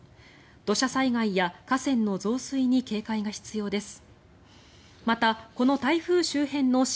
土砂災害や河川の増水に警戒が必要です。